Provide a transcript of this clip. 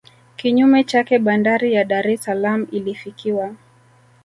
Kinyume chake bandari ya Dar es Salaam ilifikiwa